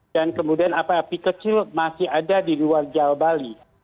dan kemudian api kecil masih ada di luar jawa bali